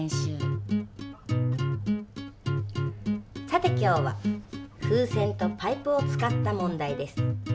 さて今日は風船とパイプを使った問題です。